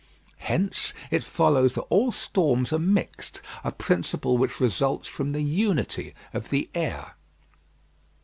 Hence it follows that all storms are mixed a principle which results from the unity of the air.